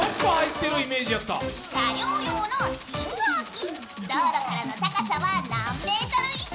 車両用の信号機、道路からの高さは何メートル以上？